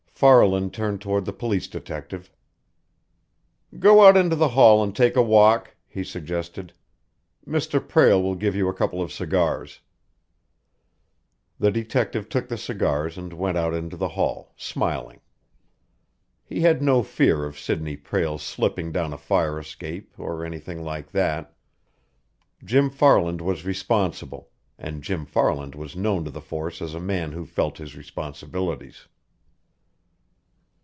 Farland turned toward the police detective. "Go out into the hall and take a walk," he suggested. "Mr. Prale will give you a couple of cigars." The detective took the cigars and went out into the hall, smiling. He had no fear of Sidney Prale slipping down a fire escape, or anything like that. Jim Farland was responsible, and Jim Farland was known to the force as a man who felt his responsibilities.